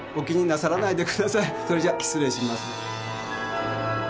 それじゃ失礼します。